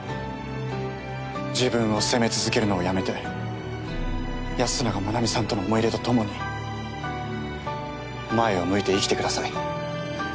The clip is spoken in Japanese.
自分を責め続けるのをやめて安永真奈美さんとの思い出と共に前を向いて生きてください。